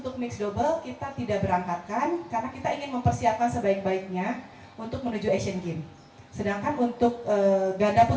kita ingin mempersiapkan sebaik baiknya untuk menuju asean games